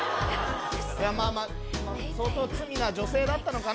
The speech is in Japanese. まあまあ、相当罪な女性だったのかな？